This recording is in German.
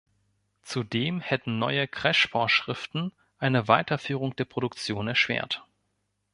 Zudem hätten neue Crash-Vorschriften eine Weiterführung der Produktion erschwert.